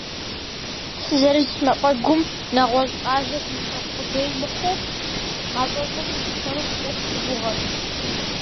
Сызэрыс мафӏэгум нэгъуэщӏ къалэ сишэ къудей мыхъуу, гъащӏэщӏэм сыхишэну фӏыкӏэ сыгугъэрт.